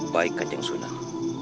baik adeng sudang